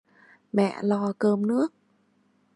Mẹ lo cơm nước